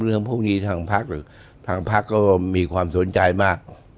เรื่องพวกนี้ทางภาคก็มีความสนใจมาก